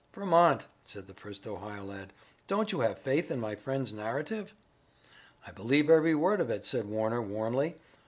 "Vermont," said the first Ohio lad, "don't you have faith in my friend's narrative?" "I believe every word of it," said Warner warmly.